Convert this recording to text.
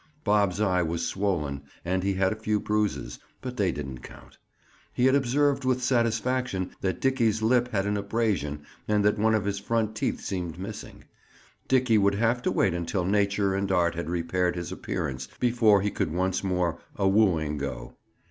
Bob's eye was swollen and he had a few bruises, but they didn't count. He had observed with satisfaction that Dickie's lip had an abrasion and that one of his front teeth seemed missing. Dickie would have to wait until nature and art had repaired his appearance before he could once more a wooing go.